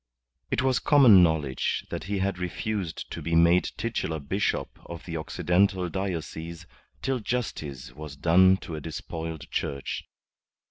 It was common knowledge that he had refused to be made titular bishop of the Occidental diocese till justice was done to a despoiled Church.